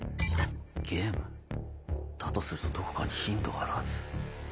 ゲーム？だとするとどこかにヒントがあるはず。